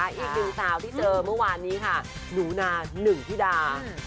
อีกหนึ่งสาวที่เจอเมื่อวานนี้ค่ะหนูนาหนึ่งธิดา